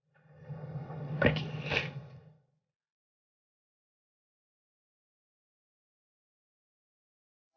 kalau tidak bisa di rumah